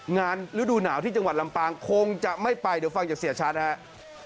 ฤดูหนาวที่จังหวัดลำปางคงจะไม่ไปเดี๋ยวฟังจากเสียชัดนะครับ